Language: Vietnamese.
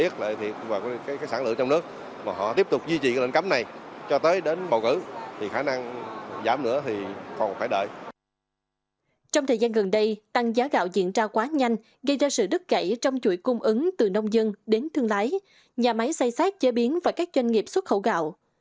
trong thời gian gần đây tăng giá gạo diễn ra quá nhanh gây ra sự đứt gãy trong chuỗi cung ứng từ nông dân đến thương lái nhà máy xây sát chế biến và các doanh nghiệp xuất khẩu gạo